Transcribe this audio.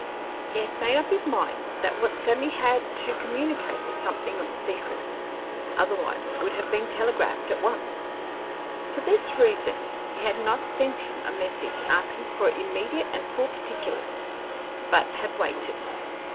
He had made up his mind that what Sammy had to communicate was something of a secret, otherwise it would have been telegraphed at once. For this reason he had not sent him a message asking for immediate and full particulars, but had waited.